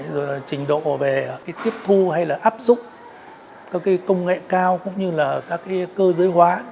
rồi là trình độ về cái tiếp thu hay là áp dụng các công nghệ cao cũng như là các cái cơ giới hóa